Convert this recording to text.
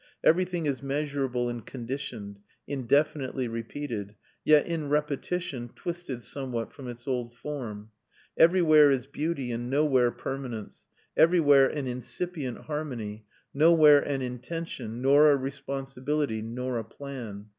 Everything is measurable and conditioned, indefinitely repeated, yet, in repetition, twisted somewhat from its old form. Everywhere is beauty and nowhere permanence, everywhere an incipient harmony, nowhere an intention, nor a responsibility, nor a plan.